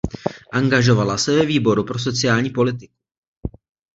Angažovala se ve Výboru pro sociální politiku.